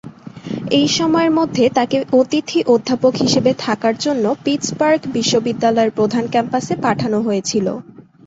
এই সময়ের মধ্যে তাকে অতিথি অধ্যাপক হিসেবে থাকার জন্য পিটসবার্গ বিশ্ববিদ্যালয়ের প্রধান ক্যাম্পাসে পাঠানো হয়েছিল।